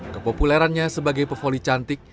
kepopulerannya sebagai pefoli cantik